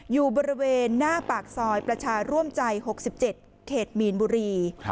อยู่บริเวณหน้าปากซอยประชาร่วมใจ๖๗เขตมีนบุรี